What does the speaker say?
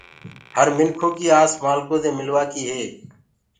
هر منکو ڪي آس مآلکو دي ملوآ ڪي هي۔